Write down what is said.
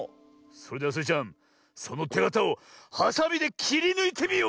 それではスイちゃんそのてがたをはさみできりぬいてみよ！